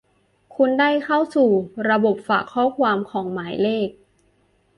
คุณได้เข้าสู่ระบบฝากข้อความของหมายเลข